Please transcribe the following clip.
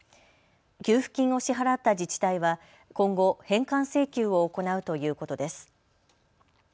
給付金を支払った自治体は今後、返還請求を行うということです。